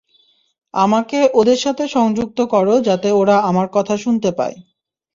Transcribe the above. আমাকে ওদের সাথে সংযুক্ত করো যাতে ওরা আমার কথা শুনতে পায়।